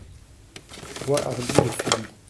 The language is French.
Boishardy le suivit.